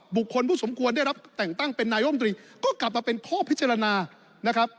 บุคคลผู้สมควรได้รับแต่งตั้งเป็นนายรมตรีก็กลับมาเป็นข้อพิจารณานะครับ